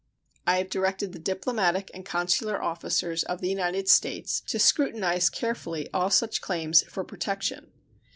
I have directed the diplomatic and consular officers of the United States to scrutinize carefully all such claims for protection.